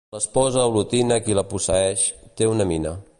L'esposa olotina, qui la posseeix, té una mina.